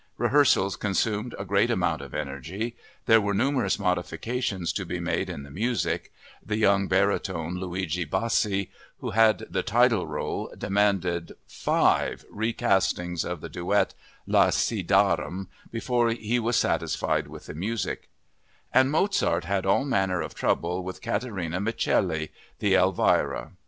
Rehearsals consumed a great amount of energy, there were numerous modifications to be made in the music (the young baritone, Luigi Bassi, who had the title role, demanded five recastings of the duet La ci darem before he was satisfied with the music), and Mozart had all manner of trouble with Catarina Micelli, the Elvira.